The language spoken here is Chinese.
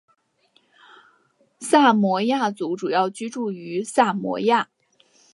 萨摩亚族主要居住于萨摩亚。